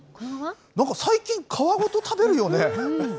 なんか、最近、皮ごと食べるよね？